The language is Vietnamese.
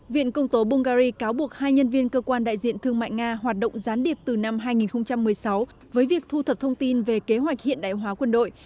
viện công tố bungary cáo buộc hai nhân viên cơ quan đại diện thương mại nga hoạt động gián điệp từ năm hai nghìn một mươi sáu với việc thu thập thông tin về kế hoạch hiện đại hóa quân đội